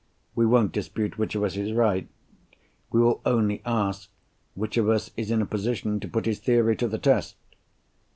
We won't dispute which of us is right. We will only ask, which of us is in a position to put his theory to the test?"